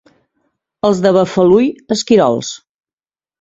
Els de Bafalui, esquirols.